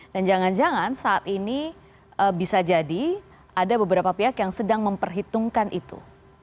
dan jangan jangan saat ini bisa jadi ada beberapa pihak yang sedang memperhitungkan itu